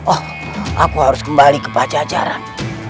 oh aku harus kembali ke pajajaran